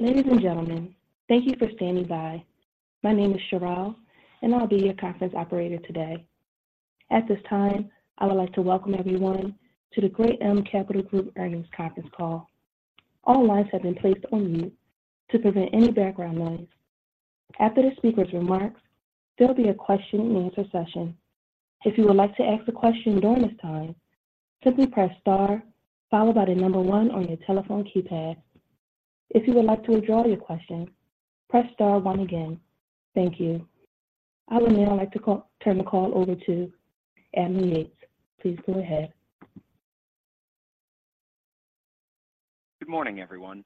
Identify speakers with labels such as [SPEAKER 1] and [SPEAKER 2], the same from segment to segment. [SPEAKER 1] Ladies and gentlemen, thank you for standing by. My name is Cheryl, and I'll be your conference operator today. At this time, I would like to welcome everyone to the Great Elm Capital Group Earnings Conference Call. All lines have been placed on mute to prevent any background noise. After the speaker's remarks, there'll be a question-and-answer session. If you would like to ask a question during this time, simply press star followed by the number one on your telephone keypad. If you would like to withdraw your question, press star one again. Thank you. I would now like to turn the call over to Adam Yates. Please go ahead.
[SPEAKER 2] Good morning, everyone.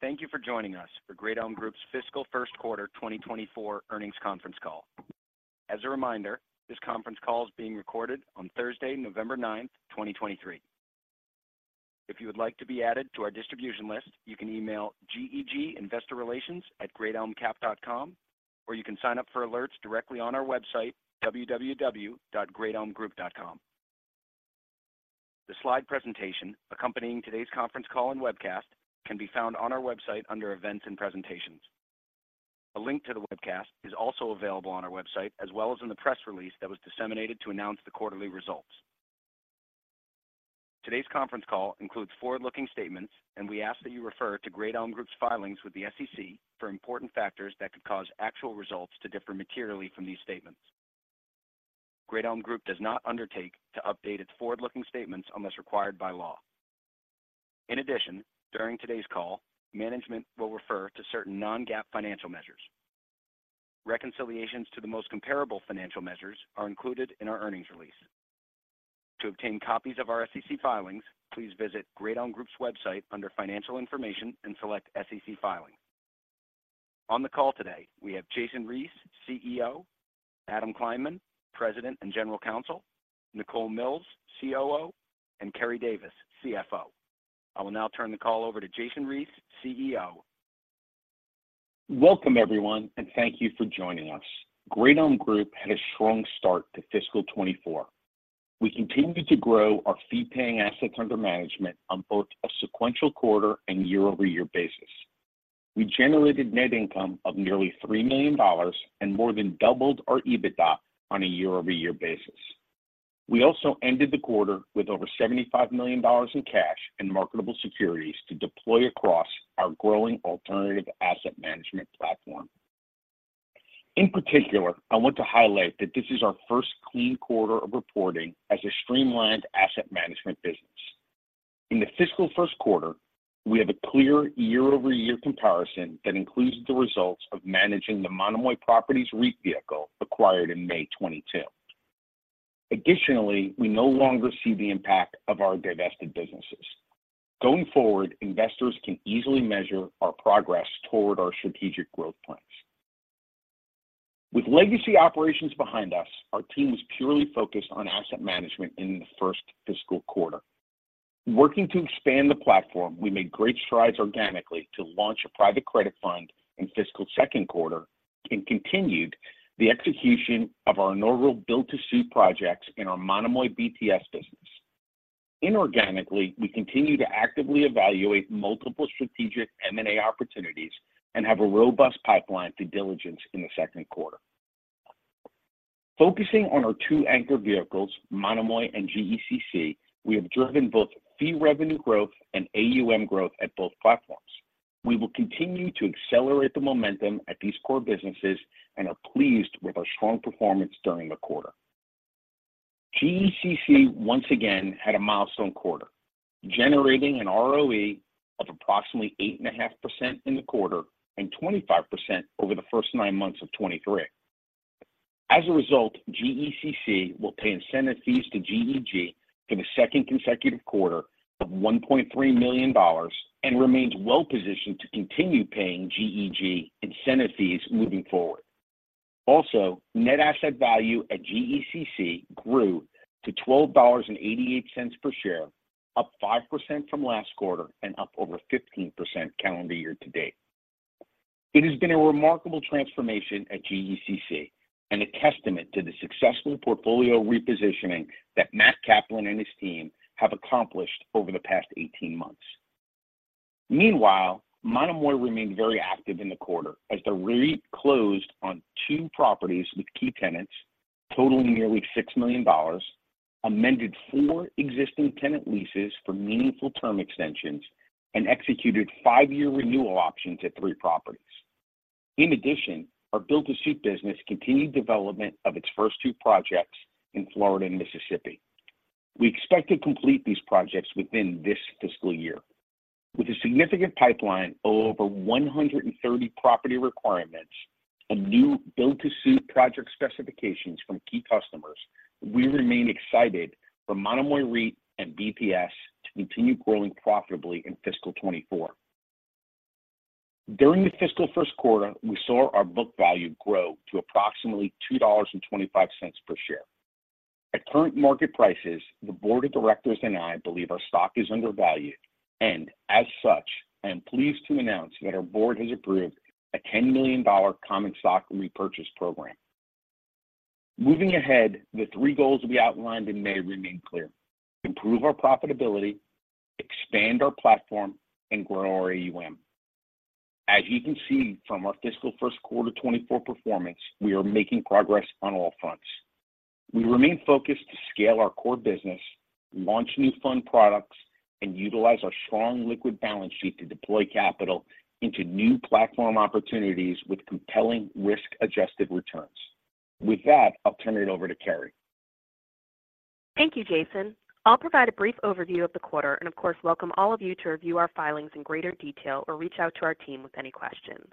[SPEAKER 2] Thank you for joining us for Great Elm Group's fiscal first quarter 2024 earnings conference call. As a reminder, this conference call is being recorded on Thursday, November 9, 2023. If you would like to be added to our distribution list, you can email geginvestorrelations@greatelmcap.com, or you can sign up for alerts directly on our website, www.greatelmgroup.com. The slide presentation accompanying today's conference call and webcast can be found on our website under Events and Presentations. A link to the webcast is also available on our website, as well as in the press release that was disseminated to announce the quarterly results. Today's conference call includes forward-looking statements, and we ask that you refer to Great Elm Group's filings with the SEC for important factors that could cause actual results to differ materially from these statements. Great Elm Group does not undertake to update its forward-looking statements unless required by law. In addition, during today's call, management will refer to certain non-GAAP financial measures. Reconciliations to the most comparable financial measures are included in our earnings release. To obtain copies of our SEC filings, please visit Great Elm Group's website under Financial Information and select SEC Filing. On the call today, we have Jason Reese, CEO; Adam Kleinman, President and General Counsel; Nichole Milz, COO, and Keri Davis, CFO. I will now turn the call over to Jason Reese, CEO.
[SPEAKER 3] Welcome everyone, and thank you for joining us. Great Elm Group had a strong start to fiscal 2024. We continued to grow our fee-paying assets under management on both a sequential quarter and year-over-year basis. We generated net income of nearly $3 million and more than doubled our EBITDA on a year-over-year basis. We also ended the quarter with over $75 million in cash and marketable securities to deploy across our growing alternative asset management platform. In particular, I want to highlight that this is our first clean quarter of reporting as a streamlined asset management business. In the fiscal first quarter, we have a clear year-over-year comparison that includes the results of managing the Monomoy Properties REIT vehicle acquired in May 2022. Additionally, we no longer see the impact of our divested businesses. Going forward, investors can easily measure our progress toward our strategic growth plans. With legacy operations behind us, our team is purely focused on asset management in the first fiscal quarter. Working to expand the platform, we made great strides organically to launch a private credit fund in fiscal second quarter and continued the execution of our normal build-to-suit projects in our Monomoy BTS business. Inorganically, we continue to actively evaluate multiple strategic M&A opportunities and have a robust pipeline through diligence in the second quarter. Focusing on our two anchor vehicles, Monomoy and GECC, we have driven both fee revenue growth and AUM growth at both platforms. We will continue to accelerate the momentum at these core businesses and are pleased with our strong performance during the quarter. GECC once again had a milestone quarter, generating an ROE of approximately 8.5% in the quarter and 25% over the first nine months of 2023. As a result, GECC will pay incentive fees to GEG for the second consecutive quarter of $1.3 million and remains well-positioned to continue paying GEG incentive fees moving forward. Also, net asset value at GECC grew to $12.88 per share, up 5% from last quarter and up over 15% calendar year to date. It has been a remarkable transformation at GECC and a testament to the successful portfolio repositioning that Matt Kaplan and his team have accomplished over the past eighteen months. Meanwhile, Monomoy remained very active in the quarter as the REIT closed on two properties with key tenants totaling nearly $6 million, amended four existing tenant leases for meaningful term extensions, and executed five-year renewal options at three properties. In addition, our build-to-suit business continued development of its first two projects in Florida and Mississippi. We expect to complete these projects within this fiscal year. With a significant pipeline of over 130 property requirements and new build-to-suit project specifications from key customers, we remain excited for Monomoy REIT and BTS to continue growing profitably in fiscal 2024. During the fiscal first quarter, we saw our book value grow to approximately $2.25 per share. At current market prices, the board of directors and I believe our stock is undervalued, and as such, I am pleased to announce that our board has approved a $10 million common stock repurchase program. Moving ahead, the three goals we outlined in May remain clear: improve our profitability, expand our platform, and grow our AUM. As you can see from our fiscal first quarter 2024 performance, we are making progress on all fronts. We remain focused to scale our core business, launch new fund products, and utilize our strong liquid balance sheet to deploy capital into new platform opportunities with compelling risk-adjusted returns. With that, I'll turn it over to Keri.
[SPEAKER 4] Thank you, Jason. I'll provide a brief overview of the quarter, and of course, welcome all of you to review our filings in greater detail or reach out to our team with any questions.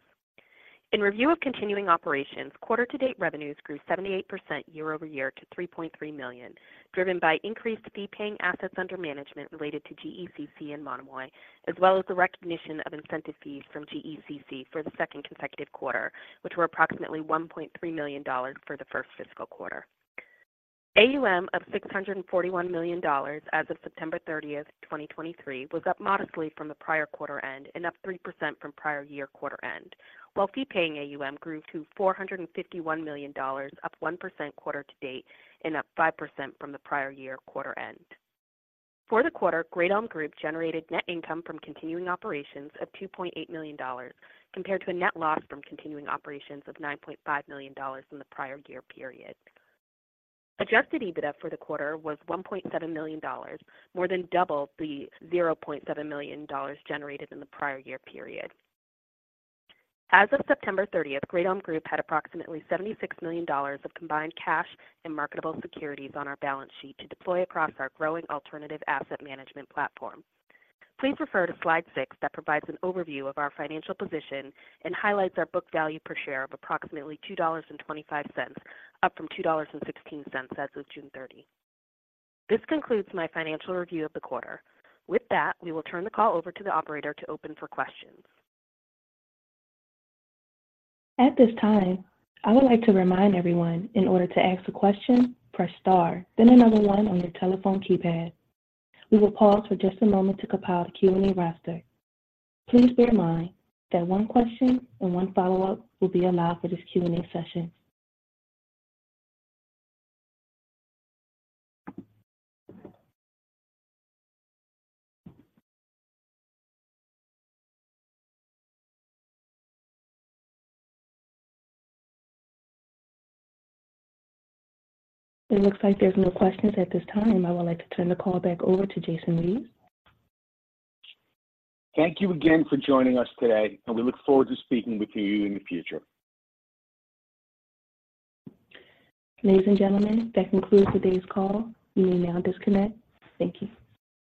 [SPEAKER 4] In review of continuing operations, quarter-to-date revenues grew 78% year-over-year to $3.3 million, driven by increased fee-paying assets under management related to GECC and Monomoy, as well as the recognition of incentive fees from GECC for the second consecutive quarter, which were approximately $1.3 million for the first fiscal quarter. AUM of $641 million as of September 30, 2023, was up modestly from the prior quarter end and up 3% from prior year quarter end, while fee-paying AUM grew to $451 million, up 1% quarter to date and up 5% from the prior year quarter end. For the quarter, Great Elm Group generated net income from continuing operations of $2.8 million, compared to a net loss from continuing operations of $9.5 million in the prior year period. Adjusted EBITDA for the quarter was $1.7 million, more than double the $0.7 million generated in the prior year period. As of September 30th, Great Elm Group had approximately $76 million of combined cash and marketable securities on our balance sheet to deploy across our growing alternative asset management platform. Please refer to slide 6 that provides an overview of our financial position and highlights our book value per share of approximately $2.25, up from $2.16 as of June 30. This concludes my financial review of the quarter. With that, we will turn the call over to the operator to open for questions.
[SPEAKER 1] At this time, I would like to remind everyone, in order to ask a question, press star, then the number one on your telephone keypad. We will pause for just a moment to compile the Q&A roster. Please bear in mind that one question and one follow-up will be allowed for this Q&A session. It looks like there's no questions at this time. I would like to turn the call back over to Jason Reese.
[SPEAKER 3] Thank you again for joining us today, and we look forward to speaking with you in the future.
[SPEAKER 1] Ladies and gentlemen, that concludes today's call. You may now disconnect. Thank you.